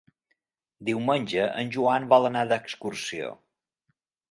Diumenge en Joan vol anar d'excursió.